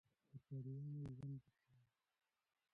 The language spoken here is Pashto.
مطالعه مو ژوند بدلوي.